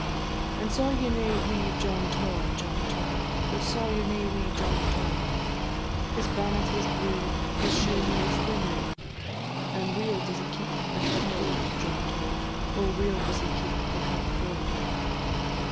An' saw ye nae wee John Tod, John Tod? Oh, saw ye nae wee John Tod? His bannet was blue, His shoon maistly new, An' weel does he keep the kirk road, John Tod, Oh, weel does he keep the kirk road.